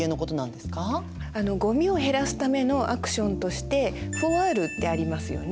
ごみを減らすためのアクションとして「４Ｒ」ってありますよね。